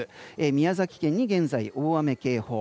宮崎県に現在、大雨警報。